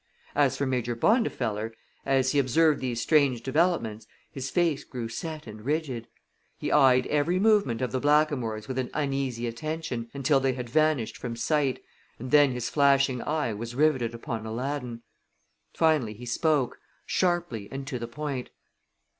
As for Major Bondifeller, as he observed these strange developments, his face grew set and rigid. He eyed every movement of the blackamoors with uneasy attention until they had vanished from sight, and then his flashing eye was riveted upon Aladdin. Finally he spoke, sharply and to the point.